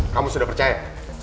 kamu sudah percaya